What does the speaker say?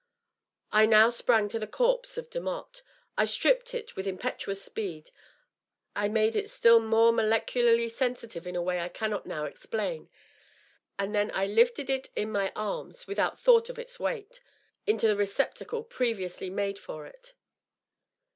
.. I now sprang to the corpse of Demotte. I stripped it wim impetuous speed, I made it still more molecularly sensitive in a way I cannot now explain, and then I lifted it in my arms, without a thought of its weight, into the receptacle previously made ready for it.